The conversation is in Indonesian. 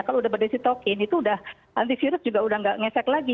kalau udah berdisitokin itu udah antivirus juga udah nggak ngesek lagi